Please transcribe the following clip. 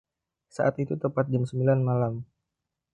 Saat itu tepat jam sembilan malam.